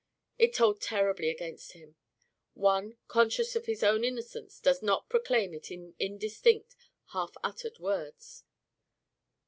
It told terribly against him. One, conscious of his own innocence, does not proclaim it in indistinct, half uttered words.